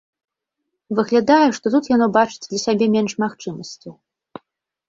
Выглядае, што тут яно бачыць для сябе менш магчымасцяў.